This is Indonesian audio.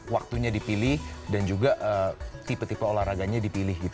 waktunya dipilih dan juga tipe tipe olahraganya dipilih gitu